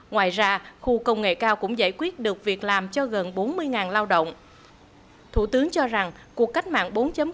ngoài ra khu công nghệ cao cũng giải quyết được việc làm cho gần bốn mươi usd